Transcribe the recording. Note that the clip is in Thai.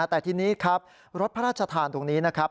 แต่ทีนี้ครับรถพระราชทานตรงนี้นะครับ